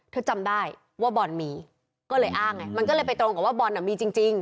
จำได้ว่าบอลมีก็เลยอ้างไงมันก็เลยไปตรงกับว่าบอลน่ะมีจริง